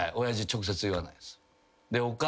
親父直接言わないです。